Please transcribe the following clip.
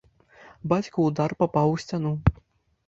Бацькаў удар папаў у сцяну.